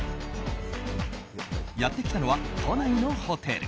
やってきたのは都内のホテル。